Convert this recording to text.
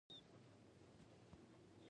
د کور فرش مې سړېدو پیل کړی و.